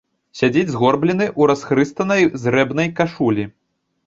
Сядзіць згорблены ў расхрыстанай зрэбнай кашулі.